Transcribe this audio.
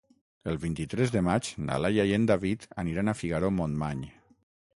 El vint-i-tres de maig na Laia i en David aniran a Figaró-Montmany.